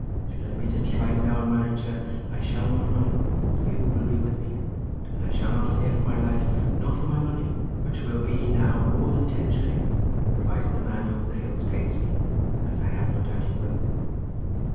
Should I meet a tribe now on my return I shall not run; you will be with me, and I shall not fear for my life nor for my money, which will be now more than ten shillings, provided the man over the hill pays me, as I have no doubt he will."